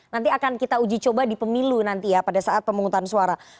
nanti akan kita uji coba di pemilu nanti ya pada saat pemungutan suara